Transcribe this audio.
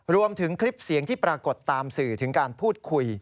รวมถึงคลิปเสียงที่ปรากฏตามสื่อถึงการพูดคุย